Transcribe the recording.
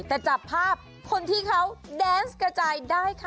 แต่จับภาพคนที่เขาแดนส์กระจายได้ค่ะ